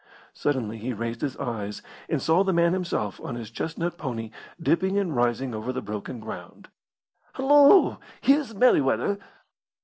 Suddenly he raised his eyes and saw the man himself on his chestnut pony, dipping and rising over the broken ground. "Hullo! Here's Merryweather!"